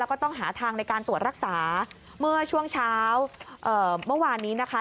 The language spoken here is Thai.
ก็ต้องหาทางในการตรวจรักษาเมื่อช่วงเช้าเอ่อเมื่อวานนี้นะคะ